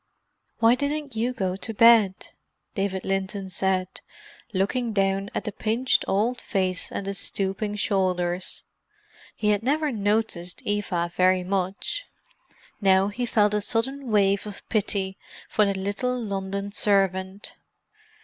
"Why didn't you go to bed?" David Linton said, looking down at the pinched old face and the stooping shoulders. He had never noticed Eva very much; now he felt a sudden wave of pity for the little London servant.